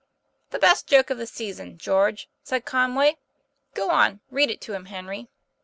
'The best joke of the season, George," said Con way. ' Go on; read it to him, Henry."